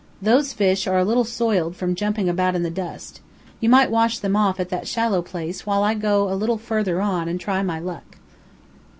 Those fish are a little soiled from jumping about in the dust. You might wash them off at that shallow place, while I go a little further on and try my luck."